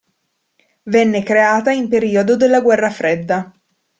Venne creata in periodo della Guerra Fredda.